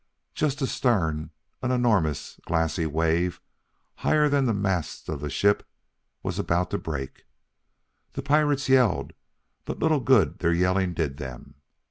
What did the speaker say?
Just astern, an enormous, glassy wave, higher than the masts of the ship, was about to break. The pirates yelled, but little good their yelling did them.